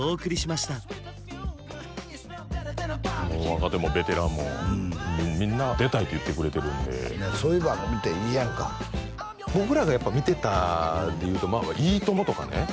若手もベテランもみんな出たいって言ってくれてるんでそういう番組っていいやんか僕らがやっぱ見てたっていうと「いいとも！」とかね